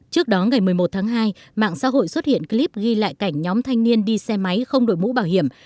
trước đó ngày một mươi một tháng hai mạng xã hội xuất hiện clip ghi lại cảnh nhóm thanh niên đi xe máy không đội mũ bảo hiểm